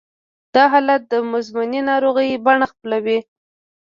دا حالت د مزمنې ناروغۍ بڼه خپلوي